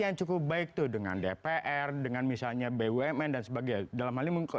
yang cukup baik tuh dengan dpr dengan misalnya bumn dan sebagainya